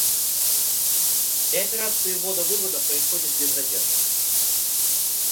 Все операции ввода-вывода происходят без задержек